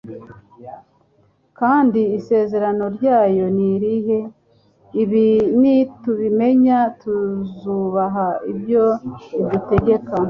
Kandi isezerano ryayo ni irihe? Ibi nitubimenya, tuzubaha ibyo idutegeka,